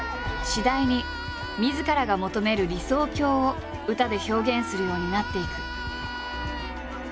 次第にみずからが求める理想郷を歌で表現するようになっていく。